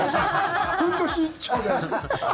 ふんどし一丁で。